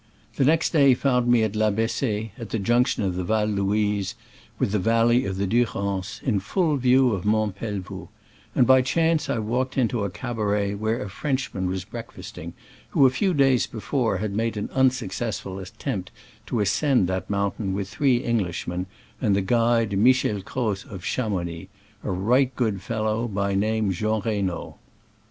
The next day found me at La Bessee, at the junction of the Val Louise with the valley of the Du rance, in full view of Mont Pelvoux ; and by chance I walked into a cabaret where a Frenchman was breakfasting who a few days before had made an un successful attempt to ascend that moun tain with three Englishmen ana the guide Michel Croz of Chamounix — a right good fellow, by name Jean Reynaud.